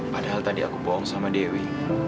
padahal tadi aku bohong sama dewi